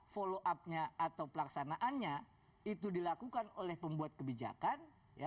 follow up nya atau pelaksanaannya itu dilakukan oleh pembuat kebijakan